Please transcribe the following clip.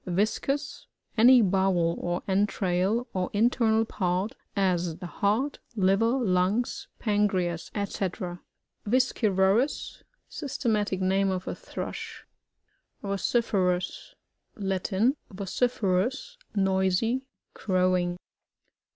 ViBCUs. — Any bowel or entrail, or in ternal part,'as the heart, liver lungs, pancreas, &c VisciYORDS. — Systematic name of a Thrush. VociFERas. Latin. Vociferous, noisy, crowing.